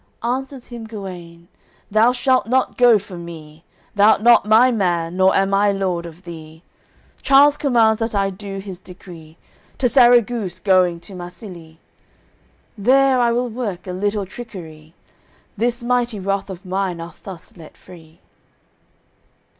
AOI. XXI Answers him Guene: "Thou shalt not go for me. Thou'rt not my man, nor am I lord of thee. Charles commnds that I do his decree, To Sarraguce going to Marsilie; There I will work a little trickery, This mighty wrath of mine I'll thus let free."